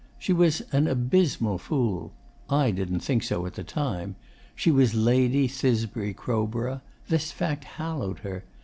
She was an abysmal fool. I didn't think so at the time. She was Lady Thisbe Crowborough. This fact hallowed her.